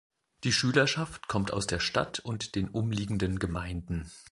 Die Schülerschaft kommt aus der Stadt und den umliegenden Gemeinden.